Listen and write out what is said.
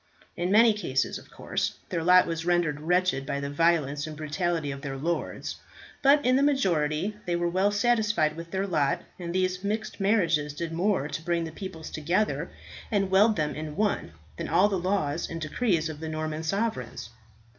In many cases, of course, their lot was rendered wretched by the violence and brutality of their lords; but in the majority they were well satisfied with their lot, and these mixed marriages did more to bring the peoples together and weld them in one, than all the laws and decrees of the Norman sovereigns.